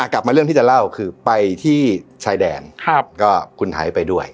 กลับมาเรื่องที่จะเล่าคือไปที่ชายแดนก็คุณไทยไปด้วย